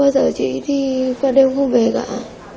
hôm em không thể chị về thì chưa bao giờ chị đi qua đêm cũng không về cả ạ